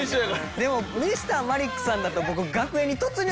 でもＭｒ．マリックさんだと僕。